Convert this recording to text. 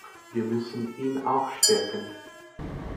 Wir müssen ihn auch stärken.